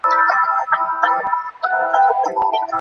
সে এড়িয়ে গেল?